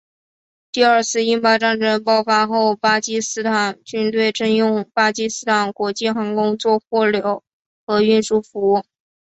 第二次印巴战争爆发后巴基斯坦军队征用巴基斯坦国际航空做货流和运输服务。